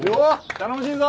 頼もしいぞ！